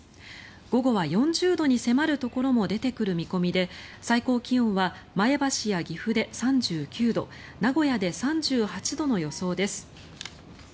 午後は４０度に迫るところも出てくる見込みで最高気温は前橋や岐阜で３９度名古屋で３８度の予想です。